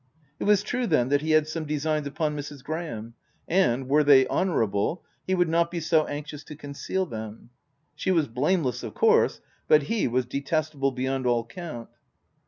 It was true, then, that he had some designs upon Mrs. Graham ; and, were they honour able, he would not be so anxious to conceal them. She was blameless, of course, but he was detestable beyond all count.